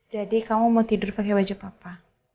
jadi kamu mau tidur pake wajah papa